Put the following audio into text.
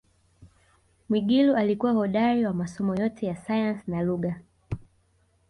Mwigulu alikuwa hodari wa masomo yote ya sayansi na lugha